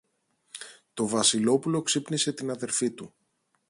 Το Βασιλόπουλο ξύπνησε την αδελφή του.